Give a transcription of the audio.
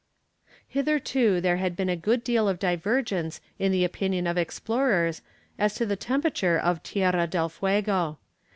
Hitherto there had been a good deal of divergence in the opinion of explorers as to the temperature of Tierra del Fuego.